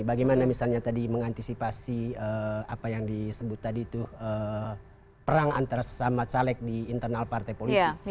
bagaimana misalnya tadi mengantisipasi apa yang disebut tadi itu perang antara sesama caleg di internal partai politik